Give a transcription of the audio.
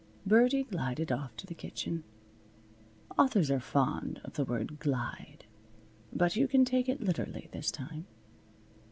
Birdie glided off to the kitchen. Authors are fond of the word "glide." But you can take it literally this time.